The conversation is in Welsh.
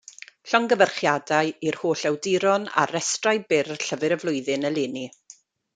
Llongyfarchiadau i'r holl awduron ar restrau byr Llyfr y Flwyddyn eleni.